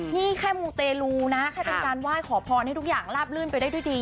นี่แค่มูเตลูนะแค่เป็นการไหว้ขอพรให้ทุกอย่างลาบลื่นไปได้ด้วยดี